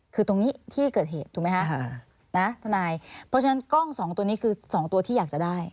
คือตรงนี้ที่เกิดเหตุถูกไหมคะนะทนายเพราะฉะนั้นกล้องสองตัวนี้คือ๒ตัวที่อยากจะได้